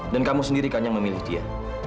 dan kamu sendirikan yang memilih dia